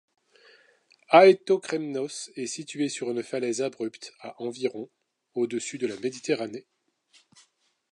Aetókremnos est situé sur une falaise abrupte, à environ au-dessus de la Méditerranée.